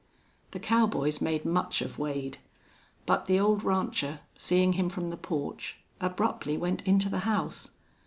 The cowboys made much of Wade. But the old rancher, seeing him from the porch, abruptly went into the house.